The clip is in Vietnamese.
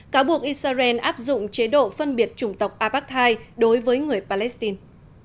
cáo buộc israel áp dụng chế độ phân biệt chủng tộc abakhite đối với người palestine